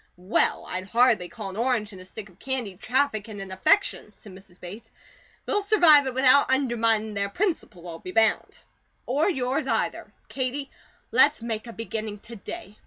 "Well, I'd hardly call an orange and a stick of candy traffickin' in affection," said Mrs. Bates. "They'll survive it without underminin' their principles, I'll be bound, or yours either. Katie, let's make a beginning to day.